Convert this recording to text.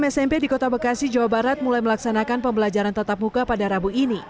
enam puluh enam smp di kota bekasi jawa barat mulai melaksanakan pembelajaran tetap muka pada rabu ini